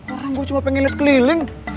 orang gua cuma pengen liat keliling